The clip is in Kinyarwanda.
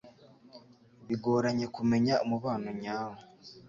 bigoranye kumenya umubano nyawo